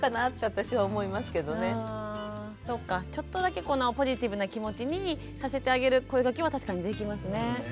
そっかちょっとだけポジティブな気持ちにさせてあげる声かけは確かにできますね。